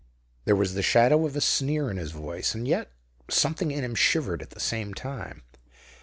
There was the shadow of a sneer in his voice, and yet something in him shivered at the same time.